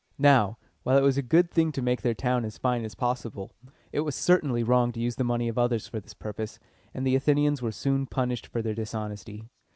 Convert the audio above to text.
Now, while it was a good thing to make their town as fine as possible, it was certainly wrong to use the money of others for this purpose, and the Athenians were soon punished for their dishonesty.